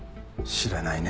知らないね。